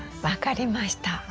分かりました。